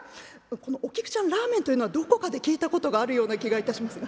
このお菊ちゃんラーメンというのはどこかで聞いたことがあるような気がいたしますが。